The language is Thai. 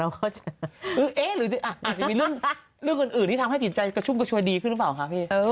อาจจะเป็นเรื่องอื่นที่ทำให้ดินใจขยุ้บก็ช่วยดีขึ้นหรือเปล่าคะพี่